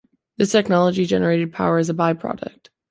This technology generated power as a by-product.